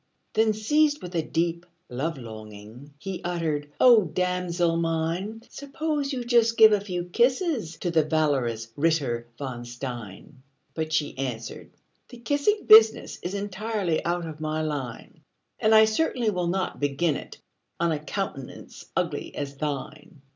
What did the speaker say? Then, seized with a deep love longing, He uttered, "O damosel mine, Suppose you just give a few kisses To the valorous Ritter von Stein!" But she answered, "The kissing business Is entirely out of my line; And I certainly will not begin it On a countenance ugly as thine!"